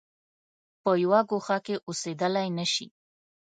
په یوه ګوښه کې اوسېدلای نه شي.